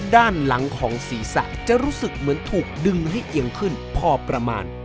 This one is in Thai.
ด้านหลังของศีรษะจะรู้สึกเหมือนถูกดึงให้เอียงขึ้นพอประมาณ